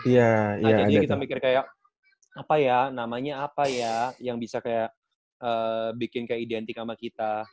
nah jadi kita mikir kayak apa ya namanya apa ya yang bisa kayak bikin kayak identik sama kita